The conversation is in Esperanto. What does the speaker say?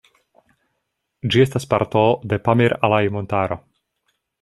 Ĝi estas parto de Pamir-Alaj-Montaro.